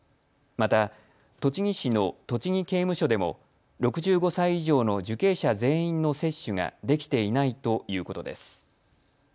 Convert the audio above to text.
また、栃木市の栃木刑務所でも６５歳以上の受刑者全員の接種ができていないということです。